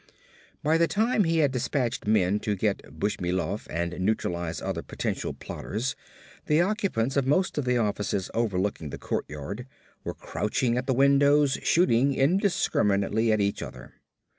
By the time he had dispatched men to get Bushmilov and neutralize other potential plotters the occupants of most of the offices overlooking the courtyard were crouched at the windows, shooting indiscriminately at each other.